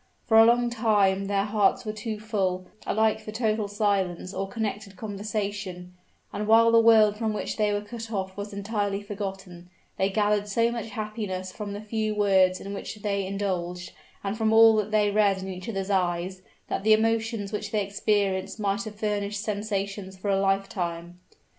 For a long time their hearts were too full, alike for total silence or connected conversation, and while the world from which they were cut off was entirely forgotten, they gathered so much happiness from the few words in which they indulged, and from all that they read in each other's eyes, that the emotions which they experienced might have furnished sensations for a lifetime.